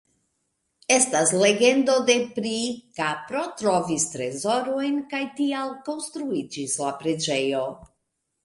Estas legendo de pri: kapro trovis trezorojn kaj tial konstruiĝis la preĝejo.